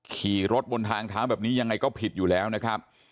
ขี่รถบนทางถามอย่างไรก็ผิดอยู่แล้วนะครับ